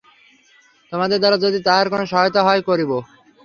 তোমাদের দ্বারা যদি তাঁহার কোন সহায়তা হয়, করিবে।